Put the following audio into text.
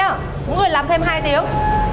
mỗi người làm thêm hai tiếng